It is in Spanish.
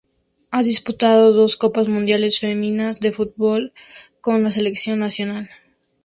Ha disputado dos Copas Mundiales Femeninas de Fútbol con la selección nacional.